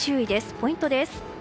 ポイントです。